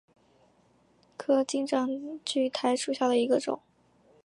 裂叶金盏苣苔为苦苣苔科金盏苣苔属下的一个种。